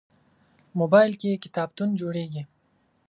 موبایل کې کتابتون جوړېږي.